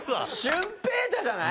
舜平大じゃない？